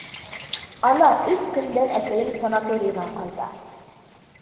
Ана, өс көндән әсәйең санаторийҙан ҡайта.